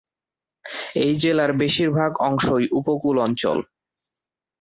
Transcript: এই জেলার বেশিরভাগ অংশই উপকূল অঞ্চল।